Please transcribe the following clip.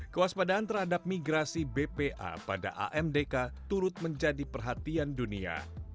kewaspadaan terhadap migrasi bpa pada amdk turut menjadi perhatian dunia